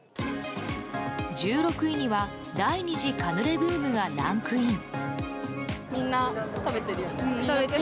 １６位には第２次カヌレブームがランクイン。